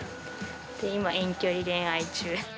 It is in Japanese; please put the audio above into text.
今、遠距離恋愛中。